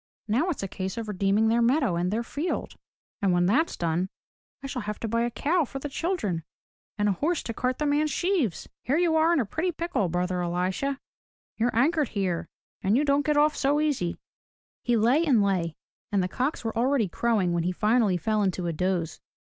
Now it's a case of redeeming their meadow and their field. And when that's done, I shall have to buy a cow for the children, and a horse to cart the man's sheaves. Here you are in a pretty pickle, brother Elisha! You're anchored here and you don't get off so easy!" He lay and lay and the cocks were already crowing when he finally fell into a doze.